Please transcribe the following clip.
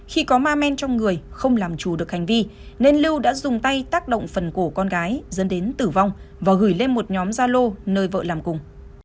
khi có ma men trong người không làm chủ được hành vi nên lưu đã dùng tay tác động phần cổ con gái dân đến tử vong và gửi lên một nhóm gia lô nơi vợ làm cùng